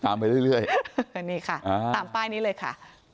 อันนี้ค่ะตามป้ายนี้เลยค่ะ